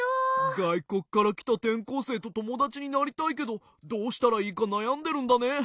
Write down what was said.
がいこくからきたてんこうせいとともだちになりたいけどどうしたらいいかなやんでるんだね。